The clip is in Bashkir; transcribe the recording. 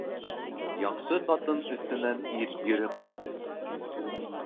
Яҡшы ҡатын өҫтөнән ир йөрөмәй